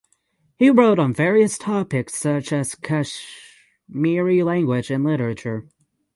He wrote on various topics such as Kashmiri language and literature.